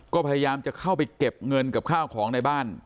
ก็พยายามจะเข้าไปเก็บเงินกับข้าวของในบ้าน